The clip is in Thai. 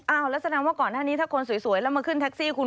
แล้วแสดงว่าก่อนหน้านี้ถ้าคนสวยแล้วมาขึ้นแท็กซี่คุณ